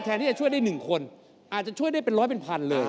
ที่จะช่วยได้๑คนอาจจะช่วยได้เป็นร้อยเป็นพันเลย